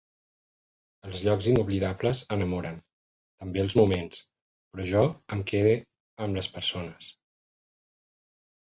Els llocs inoblidables enamoren, també els moments, però jo em quede amb les persones.